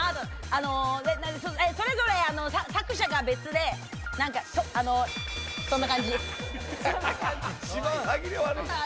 それぞれ作者が別で、そんな感じです。